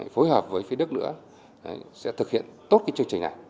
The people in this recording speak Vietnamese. phối hợp với phía đức nữa sẽ thực hiện tốt cái chương trình này